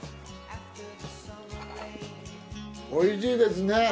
美味しいですね。